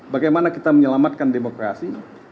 bagaimana kita menyelamatkan demokrasi